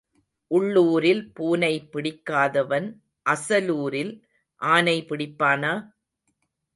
உள்ளூரில் பூனை பிடிக்காதவன் அசலூரில் ஆனை பிடிப்பானா?